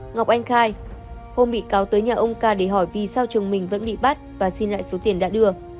ngọc anh khai hôm bị cáo tới nhà ông ca để hỏi vì sao trường mình vẫn bị bắt và xin lại số tiền đã đưa